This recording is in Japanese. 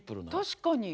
確かに。